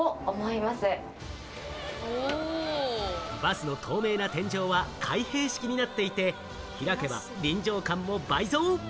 バスの透明な天井は開閉式になっていて、開けば臨場感も倍増！